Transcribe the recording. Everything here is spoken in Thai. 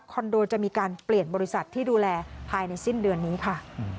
โดจะมีการเปลี่ยนบริษัทที่ดูแลภายในสิ้นเดือนนี้ค่ะ